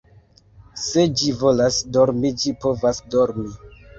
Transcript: Se ĝi volas dormi, ĝi povas dormi